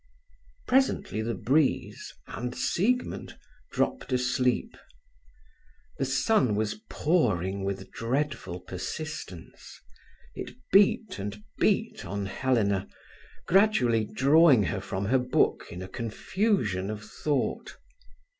Presently the breeze, and Siegmund, dropped asleep. The sun was pouring with dreadful persistence. It beat and beat on Helena, gradually drawing her from her book in a confusion of thought.